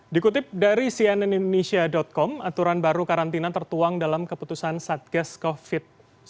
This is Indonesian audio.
dikutip dari cnnindonesia com aturan baru karantina tertuang dalam keputusan satgas covid sembilan belas